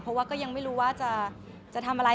เพราะว่าก็ยังไม่รู้ว่าจะทำอะไร